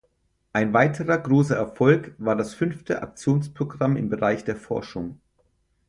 Ein weiterer großer Erfolg war das fünfte Aktionsprogramm im Bereich der Forschung.